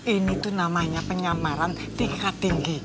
ini tuh namanya penyamaran tingkat tinggi